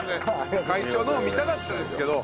貝長のも見たかったですけど。